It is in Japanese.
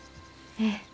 ええ。